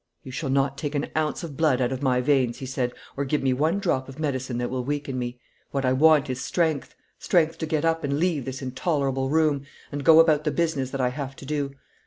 "You shall not take an ounce of blood out of my veins," he said, "or give me one drop of medicine that will weaken me. What I want is strength; strength to get up and leave this intolerable room, and go about the business that I have to do.